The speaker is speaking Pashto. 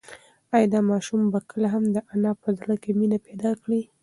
ایا دا ماشوم به کله هم د انا په زړه کې مینه پیدا کړي؟